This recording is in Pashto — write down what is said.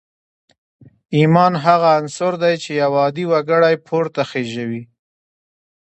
ایمان هغه عنصر دی چې یو عادي وګړی پورته خېژوي